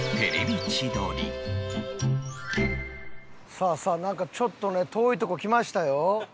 さあさあなんかちょっとね遠いとこ来ましたよ。